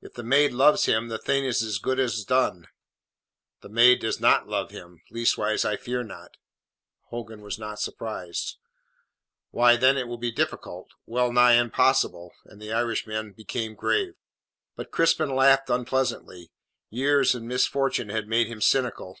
"If the maid loves him, the thing is as good as done." "The maid does not love him; leastways, I fear not." Hogan was not surprised. "Why, then it will be difficult, well nigh impossible." And the Irishman became grave. But Crispin laughed unpleasantly. Years and misfortune had made him cynical.